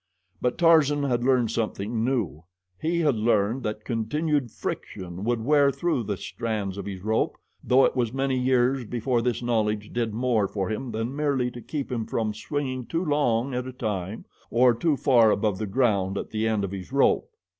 But Tarzan had learned something new. He had learned that continued friction would wear through the strands of his rope, though it was many years before this knowledge did more for him than merely to keep him from swinging too long at a time, or too far above the ground at the end of his rope.